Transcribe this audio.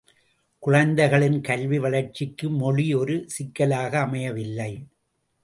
குழந்தைகளின் கல்வி வளர்ச்சிக்கு மொழி ஒரு சிக்கலாக அமையவில்லை.